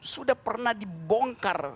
sudah pernah dibongkar